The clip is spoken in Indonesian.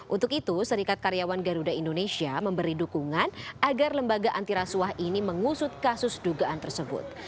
untuk itu serikat karyawan garuda indonesia memberi dukungan agar lembaga antirasuah ini mengusut kasus dugaan tersebut